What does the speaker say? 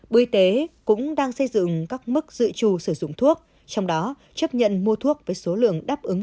bộ y tế cũng đang xây dựng các mức dự trù sử dụng thuốc trong đó chấp nhận mua thuốc với số lượng đáp ứng